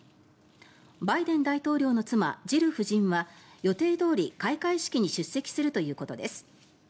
バイデン大統領の妻・ジル夫人は予定どおり、開会式に出席するということです。